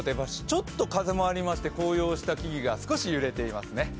ちょっと風もありまして紅葉した木々が揺れていますね。